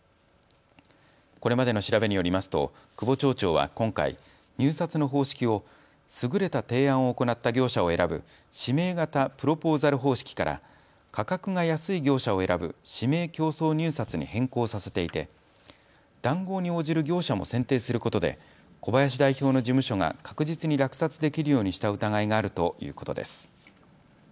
これまでの調べによりますと久保町長は今回、入札の方式を優れた提案を行った業者を選ぶ指名型プロポーザル方式から価格が安い業者を選ぶ指名競争入札に変更させていて談合に応じる業者も選定することで小林代表の事務所が確実に落札できるようにした疑いがあるということです。